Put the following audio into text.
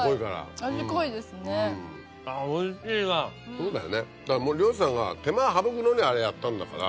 そうだよね漁師さんが手間省くのにあれやったんだから。